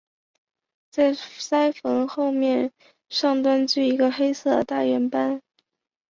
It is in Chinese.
在鳃缝后面上端据一个黑色大圆斑。